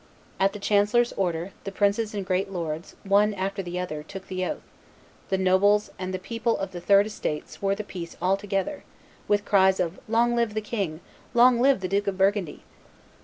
At the chancellor's order, the princes and great lords, one after the other, took the oath; the nobles and the people of the third estate swore the peace all together, with cries of "Long live the king! Long live the Duke of Burgundy!"